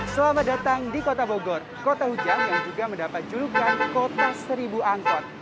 selamat datang di kota bogor kota hujan yang juga mendapat julukan kota seribu angkot